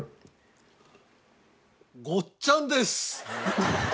ごっちゃんです！